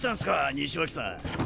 西脇さん。